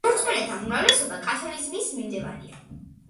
მორწმუნეთა უმრავლესობა კათოლიციზმის მიმდევარია.